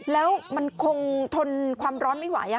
แล้วมันคงทนความร้อนไม่ไหว